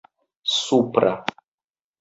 supra